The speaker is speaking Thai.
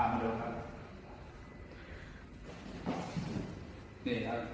นี่ครับ